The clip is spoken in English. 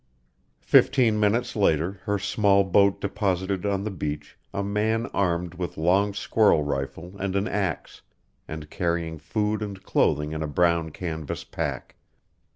Fifteen minutes later her small boat deposited on the beach a man armed with long squirrel rifle and an axe, and carrying food and clothing in a brown canvas pack.